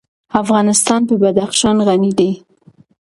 افغانستان په بدخشان غني دی.